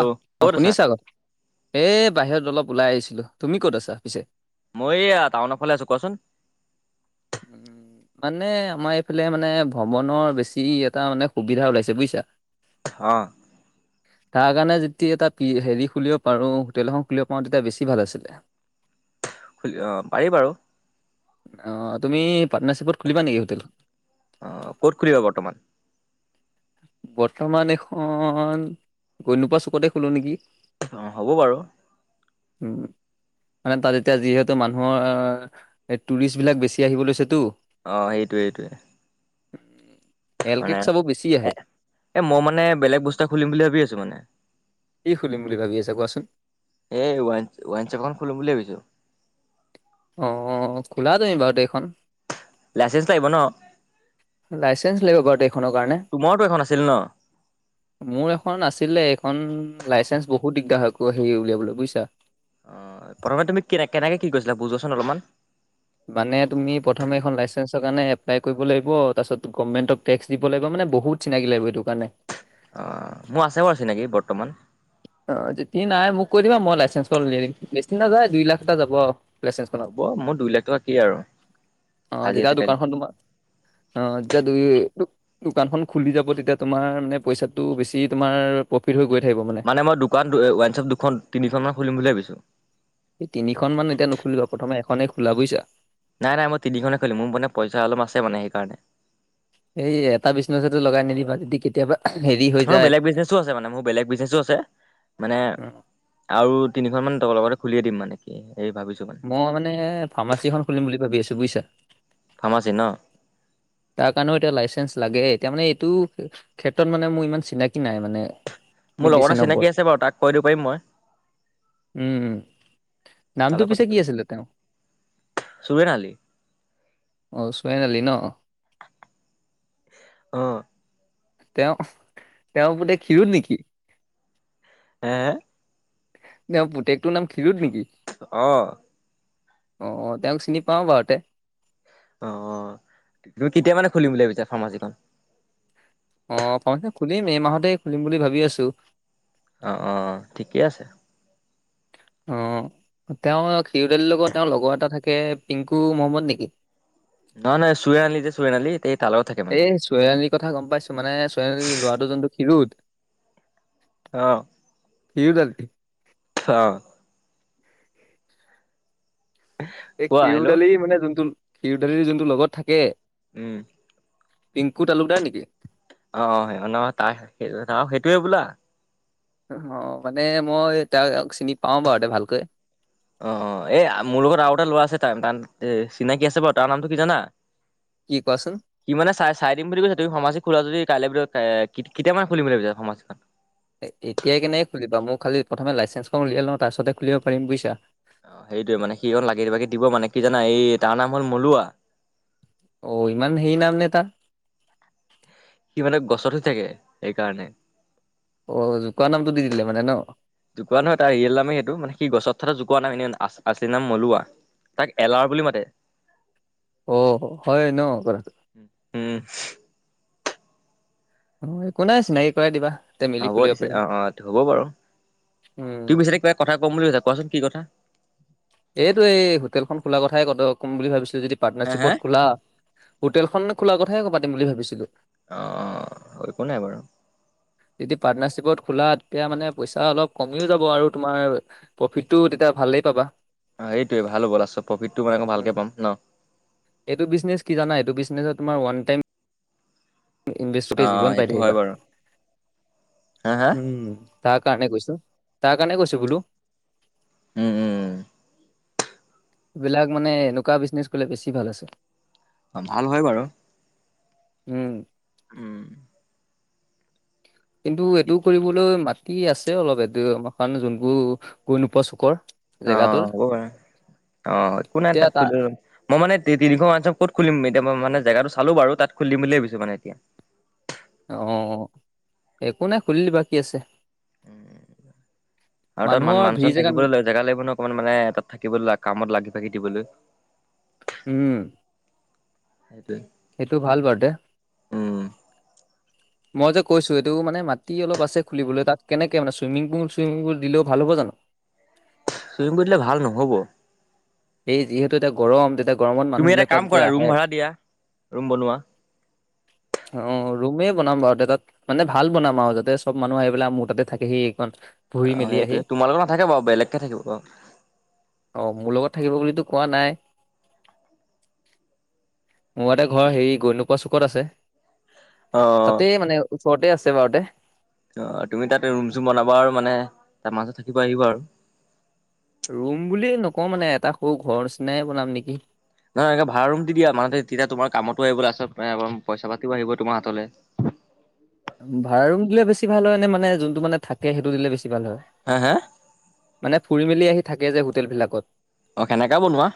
আহ অ ক'ত আছা? শুনিছা আকৌ এ বাহিৰত অলপ ওলাই আহিছিলো তুমি ক'ত আছা পিছে মই এইয়া টাউনৰ ফালে আছো কোৱাচোন উম মানে আমাৰ এইফালে মানে ভ্ৰমণৰ বেছি এটা মানে সুবিধা ওলাইছে বুজিছা [unintelligible] হ [unintelligible] তাৰ কাৰণে যেতিয়া এটা হেৰি খুলিব পাৰোঁ হোটেল এখন খুলিব পাৰোঁ তেতিয়া বেছি ভাল আছিলে। [inaudible] খোলিব পাৰি বাৰু - অ তুমি পাটৰ্নাৰশ্বিপত খুলিবা নেকি হোটেলখন- অ' ক'ত খুলিবা বৰ্তমান? বৰ্তমান এখন গৈনোপা চুকতে খোলো নেকি? অ হ'ব বাৰু উম মানে তাত এতিয়া যিহেতু মানুহৰ টুৰিষ্টবিলাক বেছি আহিব লৈছেতো- অ সেইটোৱে সেইটোৱে- এল কেক মানে চাব বেছি এ আহে- এ মই মানে বেলেগ বস্তুএটা খুলিম বুলি ভাবি আছো মানে কি খুলিম বুলি ভাবি আছে কোৱাচোন। এই ৱা ৱাইঞ্চপ [unintelligible] এখন খুলিম বুলি ভাবিছো। অ খোলা তুমি বাৰু দেইখন। লাইচেঞ্চ লাগিব ন? লাইচেন্স লাগিব বাৰু এইখনৰ কাৰণে। তোমাৰতো এখন আছিল ন? মোৰ এখন আছিলে এইখন উ লাইচেন্ঞ্চ বহুত দিগদাৰ হয় আকৌ হেৰি উলিয়াবলৈ বুইছা অ প্ৰথমে তুমি কেনে কেনেকে কি কৰিছিলা বুজোৱাচোন অলপমান মানে তুমি প্ৰথমে এখন লাইচেন্সৰ কাৰণে এ এপলাই কৰিব লাগিব তাৰপিছত গভমেণ্টক টেক্সদিব লাগিব মানে বহুত চিনাকি লাগিব সেইটো কাৰণে অ মোৰ আছে বাৰু চিনেকি বৰ্তমান- অ যদি নাই মোক কৈ দিবা মই লাইচেঞ্চৰ উলিয়াই দিম বেছি নাযায় দুই লাখ এটা যাব। লাইচেঞ্চখনত হ'ব মোৰ দুই লাখ টকা কি আৰু আহ আজি যেতিয়া আছে কাইলে নাই। দোকানখন তোমাৰ- অ যেতিয়া দু দোকানখন খুলি যাব তেতিয়া তোমাৰ মানে পইচাটো বেছি তোমাৰ- প্ৰফিট হৈ গৈ থাকিব মানে। দোকান ৱানছপ দুখন তিনিখনমানান খুলিম বুলি ভাবিছোঁ। স তিনিখন মান এতিয়া নুখুলিবা প্ৰথমে এখনে খোলা বুজিছা। নাই নাই মই তিনিখনে খুলিম মোৰ মানে পইচা অলপ আছে মানে সেইকাৰণে। ৰাতি কেতিয়াবা। হেৰি হৈ ম যায় বেলেগ বিজনেচো আছে মানে মোৰ বেলেগ বিজনেচো আছে মানে উম, আৰু তিনিখন মান। ত লগতে খুলিয়ে দিম মানে কি- হেৰি ভাবিছো মই মানে ফাৰ্মাচীখন খুলিম বুলি ভাবি আছো বুজিছা। ফাৰ্মাচী ন তাৰ কাৰণেও এতিয়া লাইচেঞ্চ লাগে এতিয়া মানে এইটো ক্ষেত্ৰত মানে মোৰ ইমান চিনাকি নাই মানে। মোৰ লগৰতে মেডিচিনৰ ওপৰত চিনাকি আছে বাৰু তাক কৈ দিব পাৰিম মই। উম নামটো পিছে কি আছিলে তেওঁ। চুবেন আলি অ চোৱাইআলি ন অহ, তেওঁ তেওঁৰ পোতেক খিৰোদ নেকি- এ তেওঁ পুতেকটোৰ নাম খিৰোদ নেকি- অ আহ তেওঁক চিনি পাও বাৰুতে- অ তুমি কেতিয়া মানে খুলিম বুলি ভাবিছা ফাৰ্মাচীখন। অ ফাৰ্মাচী খুলিম এই মাহতে খুলিম বুলি ভাবি আছোঁ। অ অ ঠিকেই আছে। অ তেওঁৰ খিৰদালিৰ লগত তেওঁৰ লগৰ এটা থাকে পিংকু মহম্মদ নেকি? নহয় নহয় শুৱেনআলি যে শুৱেন আলি তে- এই শুৱেনআলি কথা গম পাইছো মানে শুৱেনআলি ল'ৰাটো যোনটো খিৰোদ আহ খিউদ আলি অ এই কোৱা খিউদ হেল্ল' আলি মানে যোনটো খিউদ আলিৰ যোনটো লগত থাকে। উম পিংকু তালুকদাৰ নেকি? অ তাৰ সেইটোয়ে বোলা অ মানে মই তাৰ গাল অ এ মোৰ লগত আৰু এটা লৰা আছে তাৰ তান এ চিনাকি আছে বাৰু তাৰ নামটো কি জানা কি কোৱাচোন? সি মানে চাই চাই দিম বুলি কৈছা তুমি ফাৰ্মাছি খোলা যদি। কাইলৈ ভিতৰত কেতিয়ামানে খুলিম বুলি ভাবিছা ফাৰ্মাছিত এতিয়াই কেনেকে খুলিবা মোৰ খালি প্ৰথমে লাইচেন্সখন উলিয়াই লওঁ তাৰপিছতে খুলিব পাৰি বুইছা। অ সেইটোয়ে মানে সি লাগিভাগি দিব মানে। কি জানা এই তাৰ নাম হল মলুৱা। অ ইমান হেৰি নাম নে তাৰ। সি মানে গছতে উঠি থাকে সেইকাৰণে। অ' জোকোৱা নামটো দি দিলে মানে ন? জোকোৱা নহয় তাৰ ৰিয়েল নামে এটো সি গছত কথাটো জোকোৱা নাই এনে আচলি নাম মলুৱা তাক এলাৰ বুলি মাতে। অ হয় ন কথাটো উম অ একো নাই চিনাকি কৰাই দিবা। তে মিলি হ'ব খুলিব দিছে পাৰিম। অ অ হ'ব বাৰু উম, তুমি পিছতে কিবা কথা ক'ম বুলি ভাবিছা কোৱাচোন কি কথা এইটো এই হোটেল খন খোলা কথাই কম বুলি ভাবিছো যদি হে হে পাৰ্টনাৰশ্বিপত খোলা হোটেল খন নো খোলাৰ কথায়ে ক পাতিম বুলি ভাবিছিলো অ একো নাই বাৰু যদি পাৰ্টনাৰ শ্বিপত খোলা তেতিয়া মানে পইচা অলপ কমিও যাব আৰু তোমাৰ প্ৰফিতটো তেতিয়া ভালেই পাবা অ সেইটোয়ে ভাল হ'ব তা পিছত প্ৰফিটটো মান আকৌ ভালকে পাম ন মানে যে তোমাৰ ৱান টাইম ইনভেষ্টততে গোটেই অ' জীৱন পাই সেইটো হয় থাকিবা বাৰু হা হা উম তাৰ কাৰণে কৈছো তাৰ কাৰণে কৈছো বোলো উম উম সেইবিলাক মানে এনেকুৱা বিজনেছ কৰিলে বেছি ভাল আছে অ ভাল হয় বাৰু উ উ কিন্তু এইটো কৰিবলৈ মাটি আছে অলপ এক বিঘা মানৰ যোনবোৰ গৈ নোপোৱা চুকৰ অ জেগাটোৰ হ'ব পাৰে অ একো নাই এতিয়া তাত তা খুলিব পাৰি, মই মানে তি তিনিখন ৱাইন চপ ক'ত খুলিম এতিয়া মই মানে জেগাটো চালো বাৰু তাত খুলি দিম বুলি ভাবিছো মানে এতিয়া অ একো নাই খুলি লবা কি আছে আৰু তাত মানুহৰ মানুহ ভিৰ চানুহ জেগাত থাকিবলে জেগা লাগিব ন অকমান মানে তাত থাকিব লে কামত লাগি লাগি দিবলৈ উম সেইটোৱে সেইটো ভাল বাৰ দে উম মই যে কৈছো এইটো মানে মাটি অলপ আছে খুলিবলে তাত কেনেকে মানে চুইমিং পুল চুইমিং পুল দিলে ভাল হ'ব জানো [unintelligible] চুইমিং পুল দিলে ভাল নহ'ব এই যিহেতু এটা গৰম তেতিয়া গৰমত তুমি এটা মানুহবিলাক তাত কাম যে কৰা ৰুম আহে ভাড়া দিয়া ৰুম বনোৱা অ ৰুমে বনাম বাৰু তাত মানে ভাল বনাম আৰু যাতে চব মানুহ আহি পেলাই মোৰ তাতে থাকে সি এইখন অ সেইটোৱে তোমাৰ লগত নাথাকে বাৰু বেলেগকে থাকিব অ' মোৰ লগত থাকিব বুলিতো কোৱা নাই মোৰ এটা ঘৰ হেৰি গৈ নোপোৱা চুকত আছে অ তাতে মানে ওচৰতে আছে বাৰুতে অ তুমি তাত ৰুম চুম বনাবা আৰু মানে মানুহ থাকিব আহিবা আৰু ৰুম বুলি নক‌ও মানে এটা সৰু ঘৰ নিচিনাই বনাম নিকি নহয় এনেই ভাড়া ৰোম দি দিয়া মানুহ থাকিব তেতিয়া তোমাৰ কামতো আহিব লাষ্টত পইচা পাতিও আহিব তোমাৰ হাতলে ভাড়া ৰোম দিলে বেছি ভাল হয় নে মানে যোনটো মানে থাকে সেইটো দিলে বেছি ভাল হয় হে হে মানে ফুৰি মেলি আহি থাকে যে হোটেল বিলাকত অ হেনেকা বনোৱা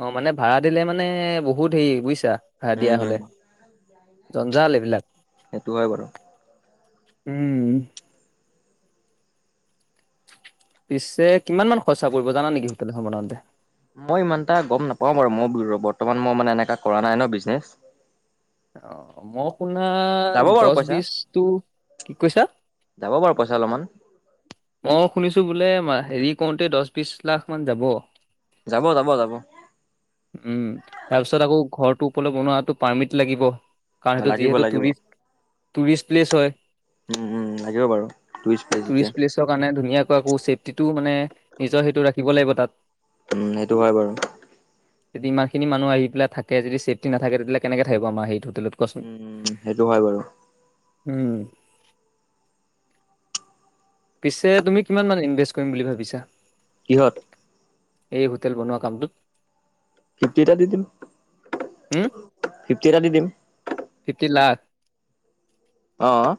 অ মানে ভাড়া দিলে মানে বহুত হেৰি বুইছা ভাড়া দিয়া হলে উম, জঞ্জাল এইবিলাক সেইটো হয় বাৰু উম পিছে কিমান মান খৰচা পৰিব জানা নিকি হোটেল এখন বনাওঁতে মই ইমান এটা গম নাপাও বাৰু মই বৰ্তমান মই মানে এনেকা কৰা নাই ন বিজনেচ অ মই আপোনাৰ যাব বাৰু দছ পইচা, বিছটো কি কৈছা আৰু পইচা অলপমান অ শুনিছো বোলে হেৰি কৰোতে দহ বিশ লাখ মান যাব। যাব যাব যাব। উম তাৰপিছত আকৌ ঘৰটো ওপৰ বনোৱাটো পাৰ্মিট লাগিব। কাৰণ সেইটো লাগিব যিহেতু লাগিব। টুৰিষ্ট টুৰিষ্ট প্লেচ হয়। উম উম লাগিব বাৰু টুৰিষ্ট প্লেচ যেতিয়া, টুৰিষ্ট প্লেচৰ কাৰণে ধুনীয়াকৈ আকৌ চেফটিটো মানে নিজৰ সেইটো ৰাখ শিকিব লাগিব তাত। উম সেইটো হয় বাৰু। যদি ইমানিনি মুহ আহ পেলাই থাকে যদি চেফটি নাথে তেতিয়াহলে কেনেক থাকিব আমাৰ সেইটোত উম সেইটো হয় বাৰু। উম। পিছে তুমি কিমান মান ইনভেষ্ট কৰিম বুলি ভাবিছা। কিহত? এই হোটেল বনোৱা কামটোত। ফিপ্তিটা দি দিম। হম ফিফটি এটা দি দিম ফিপ্তি লাখ অ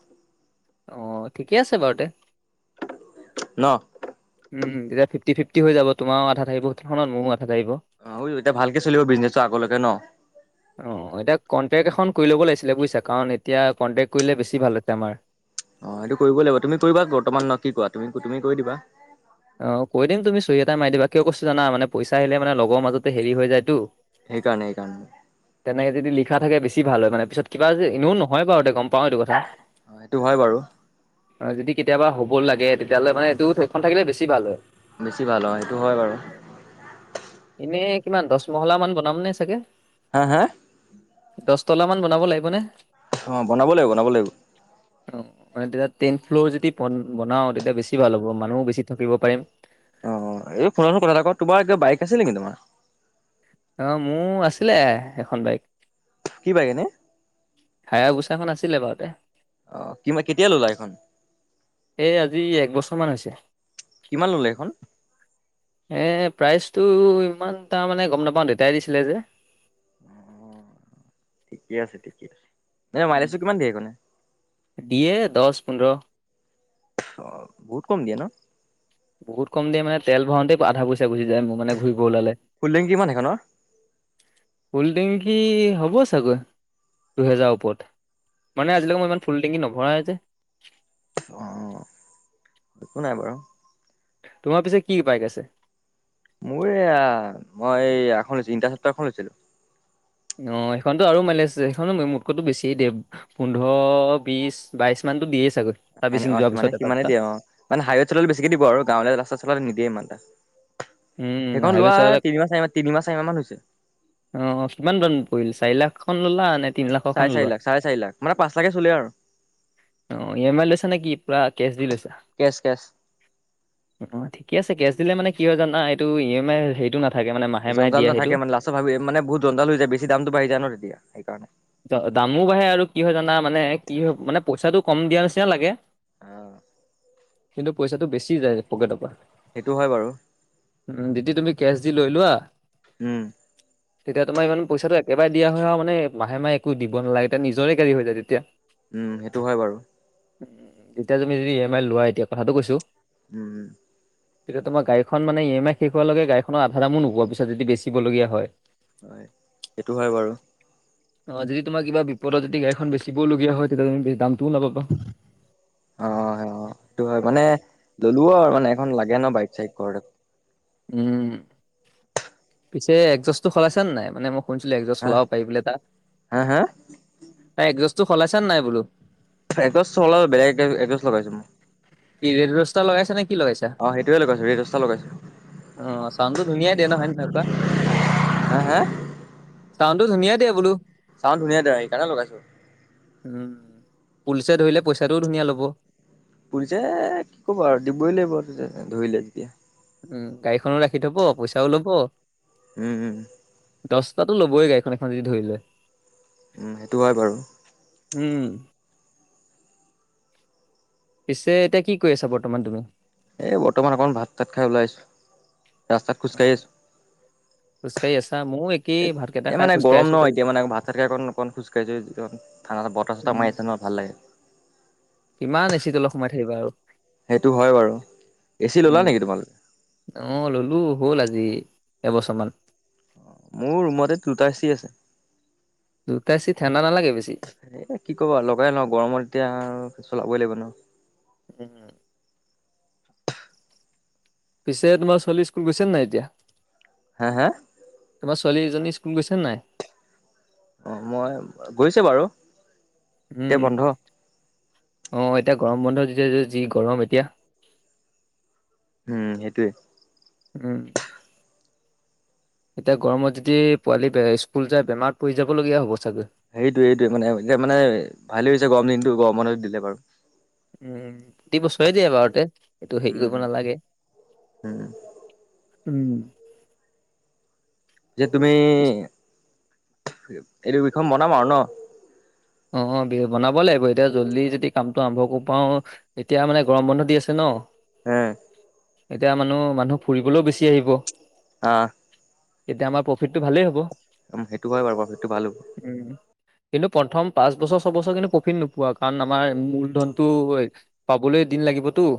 অহ ঠিকেই আছে বাৰু তে। ন উম তেতিয়া ফিফটি ফিফটি হৈ যাব তোমাৰ আধা থাকিব সেইখনত মোৰো আ অ এতিয়া ভালকে চলিব বিজনেচটো আগলৈকে ন অঁ এতিয়া কণ্টেক্ট এখন কৰি ল'ব লাগিছিলে। বুজিছা কাৰণ এতিয়া কণ্টেক্ট কৰিলে বেছি ভাল হতে আমাৰ। অ সেইটো কৰিবই লাগিব তুমি কৰিবা বৰ্তমান নহ কি কোৱা তুমি তুমি কৰি দিবা। মাৰ দিবা কিয়ছো জানা মানে পইচা আহিলে মান লগৰ মাজতে হেৰি হৈ যায় তো। সেইকাৰণে সেইকাৰণে। যদি লিখা থাকেছ ভাল হয় মানে পিছত কিবা এনে নহয় বাৰুঁতে কম। অ সেইটো হয় বাৰু যদি কেতিয়াবা হ'ব লাগে তেতিয়াহলে মানে এইটো থৈখন থাকিলে বেছি ভাল হয়। বেছি ভাল হয় সেইটো হয় বাৰু এনেই কিমান দহ মহলা মান বনাম নে চাগে। হা হা দহ তলা মান বনাব লাগিব নে? অ বনাব লাগিব বনাব লাগিব। অ মানে তেতিয়া টেন ফ্ল'ৰ যদি বনাও তেতিয়া বেছি ভাল হ'ব মানুহো বেছি থাকিব পাৰিম। অ এই ফোন ফোন কথা ক তোমাৰ বাইক আছিল নেকি তোমাৰ? আহ মোৰ আছিলে এখন বাইক। কি বাইক এনে? খন আছিলে বাৰুতে আহ কিবা কেতিয়া ললা এইখন? বছৰমান হৈছে। কিমান ল'লে এইখন? এ প্ৰাইচটো ইমান তাৰমানে গম নাপাওঁ দেউতাই দিছিলে যে অ ঠিকে আছে ঠিকে আছে। ন উম, মাইলছো কিমান দিয়ে? দিয়ে দহ পোন্ধৰ অ বহুত কম দিয়ে ন। বহুত কম দ মানে তেল ভাওঁতে আধা পইচা গুচি যায় মোৰ মানে ঘূৰিব ওলালে ফুল টেংকি কিমান সেইখনৰ কলিং হ'ব চাগৈ। দুহেজাৰৰ ওপৰত মানে আজিলৈক মই ইমান ফুল টেংকি নভৰাও যে। অ একো নাই বাৰু- তোমাৰ পিছে কি বাইক আছে? মোৰ এইয়া মই এখনছিলো ইনিটা সত্ৰ এখনছিলো। অ সেইখনতো আৰু মাইলেজ সেইখনো মোতকতো বেছি দে পোন্ধৰ বিশ বাইশ মানতো দিয়ে। চাগৈ হয় নে চাৰ্ভিচিং অ যোৱাৰ পিছত সিমানে এটা সিমানে দুটা দিয় অ মানে হাইৱেত চলালে বেছিকে দিব আৰু গাঁৱলীয়া ৰাস্তাত চলালে নিদ, য়মানটা উম সেইখন হাইৱে লোৱা চলালে তিনিম তিনি মাহ চাৰি মান মাহ হৈছে অ কিমান দাম পৰিল চাৰি লাখ খন ল'লা নে তিনি লাখৰখন চাৰে ল'লা চাৰি লাখ চাৰে চাৰ লা মানে পচ লাখে চলি অ ই এম আই লৈছা নেকি পুৰা কেচ দি লৈছা। কেচ কেচ অ ঠিকে আছে কেছ দিলে মানে কি হয় জানা এইটো ই এম আই হেটো নাথা, জনজাল নথাকে মানে লাষ্টৰ ভাবি মানে বহুত জনজাল হৈ যায় বেছি দামো বাঢ়ি য ন তেতিয়া সেইকাৰণে দামো বাঢ়ে আৰু কি হয় জানা মানে কি হয় মানে পইচাটো কম দিয়া নিচিনা লাগে। আহ কিন্তু পইচাটো বেছি যায় পকেটৰ পৰা সেইটো হয় বাৰু উ দিদ তুমি কেচ দি লৈ লোৱা উম তেতিয়া তোমাৰ ইমান পইচাটো একেবাৰে দিয়া হৈ আহ আৰু মানে মাহে মাহে একো দিব নালাগে তেতিয়া নিজৰে গা়ৰি হৈ যায় তেতিয়া। উম সেইটো হয় বাৰু, উ তেতিয়া তুমি যদি ই এম আই লোৱাাই এতিয়া কথাটো কৈছো। উম উম তেতিয়া তমাৰ গাড়ীখন মান ই এম আই শেষ হ লগে গাড়খনৰ আধা দামো নুবোৱা পিছত যদি বেচিবলীয়া হয়। হয় এইটো হয়। বাৰু। অ যদি তোমাৰ কিবা বিপদত যদি গাড়খন বেচিবওলগীয়া হয় তেতিয়া তুমি দামটোও নাপাবা। অ অ সেইটো হয় মানে ললো আৰু মানে এখন লাগে ন বাইক চাইক ঘৰত। উম পিছে একজছটো সলাইছে নে নাই মানে মোক। হোনছিলো এজ হা সলাব পাৰি বোলে ত হা হা তাই একজটো সলাইছানে নাই বোলো এগছ ওল বেলেগ এগ এজছ লগাইছো মই। ই ৰস্তা লগাইছো নেকি। কি লগাইছা অ সেইটোৱে লগাইছো ৰেডষ্টাৰ লগাইছো আহ চাউণ্ডটো ধুনীয়াই দেিয় নহয় কুৱা। হে হে ত ধুনীয়া দিয়ে বোলো। চাওঁ ধুনীয়া দে সেইকাৰণে লগাইছো। উম পুলিচে ধৰিলে পইচাটোও ধুনীয়া ল'ব। পুলিচে কি ক'ব আৰু দিবই লাগিব আৰু ধৰিলে যেতিয়া উম গাড়ীখনো ৰাখি থব পইচাও ল'ব। উম', উম'। দচটাতো ল'বই গাড়ীখন এখন যদি ধৰি লয়। উম, সেইটো হয় বাৰু। উম। পিছে এতিয়া কি কৰি আছা বৰ্তমান তুমি? এই বৰ্তমান অকণমান ভাত তাত খাই ওলাই আহিছোঁ, ৰাস্তাত খোজকাঢ়ি আছোঁ। খোজ কাঢ়ি আছা? মও একেই ভাতকেইটা এই খাই মানে খোজকাঢ়ি গৰম আছো নহ এতিয়া, মানে ভাত চাত খাই অকণ খোজ কাহিছোঁ মানে যি ঠাণ্ডাাত বতাহ ছটা উম, মাৰিছে নই ভাল লাগে। কিমান এচি তলত সোমাই থাকিবা আৰু। সেইটো হয় বাৰু, এচি ল'লা উম, নেকি তোমালোকে? অ', ললো হ'ল আজি এবছৰমান। মোৰ ৰুমতে দুটা এচি আছে। দুটা এচি ঠাণ্ডা নালাগে বেছি। এ কি কবা, লগাই লওঁ গৰমত এতিয়া আৰু চলাবৈ লাগিব ন? উম। পিছে তোমাৰ ছোৱালি স্কুল গৈছে নাই এতিয়া? সা? ছোৱালী জনী স্কুল গৈছে নাই? অ', মই গৈছে বাৰু। এতিয়া উম। বন্ধ অ', এতিয়া গৰম বন্ধ যে যি গৰম এতিয়া। উম, সেইটোৱে। উম। এতিয়া গৰমত যদি পোৱালি স্কুল যাই বেমাৰত পৰি যাবলগীয়া হব। চাগৈ। সেইটোৱেই সেইটোৱে মানে এতিয়া মানে ভালে হৈছে গৰম দিনটো গৰমনত দিলে বাৰু। উম, প্ৰতি বছৰে দিয়ে বাৰুতে, এইটো হেৰি উম কৰিব উম নালাগে। উম উম। যে তুমি এইটো উষ বনাম আৰু ন? অ', দে বনাব লাগিব এতিয়া জল্দি যদি কামটো আৰম্ভ কৰিব পাওঁ, এতিয়া মানে গৰম বন্ধ দি আছে ন? হম। এতিয়া মানুহ-মানুহ ফুৰিবলৈও বেছি আহিব। অ'। এতিয়া আমাৰ প্ৰফিটটো ভালেই হ'ব। সেইটো হয় বাৰু, বাৰু সেইটো ভালোঁ। উম। কিন্তু প্ৰথম পাঁচ বছৰ, ছবছৰ কিন্তু প্ৰফিট নোপোৱা কাৰণ আমাৰ মূলধনতটো পাবলৈ দিন লাগিবতো।